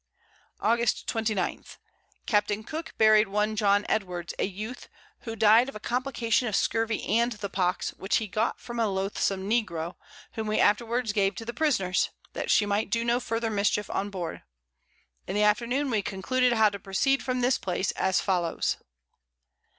August 29. Capt. Cooke buried one John Edwards, a Youth, who died of a Complication of Scurvey and the Pox, which he got from a loathsome Negro, whom we afterwards gave to the Prisoners, that she might do no further Mischief on board. In the Afternoon we concluded how to proceed from this Place as follows.